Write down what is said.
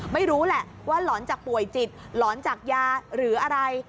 ไม่รู้แหละว่าหลอนจากป่วยจิตหลอนจากยาหรืออะไร